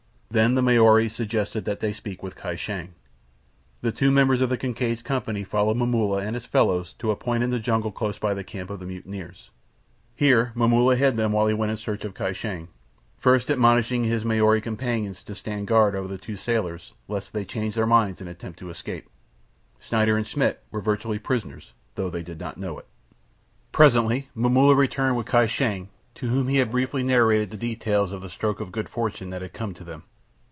Then the Maori suggested that they speak with Kai Shang. The two members of the Kincaid's company followed Momulla and his fellows to a point in the jungle close by the camp of the mutineers. Here Momulla hid them while he went in search of Kai Shang, first admonishing his Maori companions to stand guard over the two sailors lest they change their minds and attempt to escape. Schneider and Schmidt were virtually prisoners, though they did not know it. Presently Momulla returned with Kai Shang, to whom he had briefly narrated the details of the stroke of good fortune that had come to them.